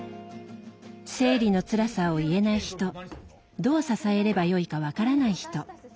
生理のつらさを言えない人どう支えればよいか分からない人。